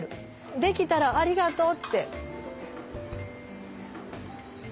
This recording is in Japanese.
できたらありがとうって。